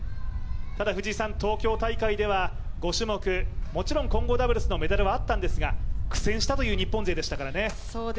ただ東京大会では５種目、もちろん混合ダブルスはありましたが苦戦したという日本勢でしたからね。